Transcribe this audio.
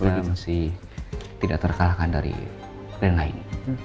produk kita masih tidak terkalahkan dari trend lain